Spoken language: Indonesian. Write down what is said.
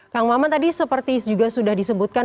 kang maman tadi seperti juga sudah disebutkan